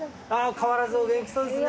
変わらずお元気そうですね。